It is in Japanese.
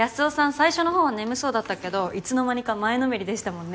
最初の方は眠そうだったけどいつの間にか前のめりでしたもんね。